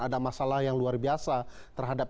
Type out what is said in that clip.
ada masalah yang luar biasa terhadap